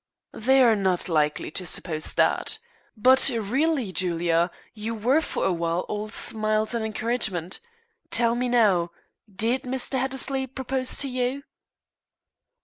"They are not likely to suppose that. But really, Julia, you were for a while all smiles and encouragement. Tell me, now, did Mr. Hattersley propose to you?"